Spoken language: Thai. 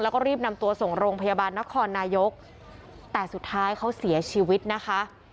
แล้วก็รีบนำตัวส่งโรงพยาบาลนครนายกแต่สุดท้ายเขาเสียชีวิตนะคะ